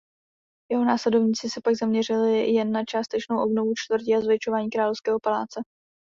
Jeho následovníci se pak zaměřili jen na částečnou obnovu čtvrtí a zvětšování královského paláce.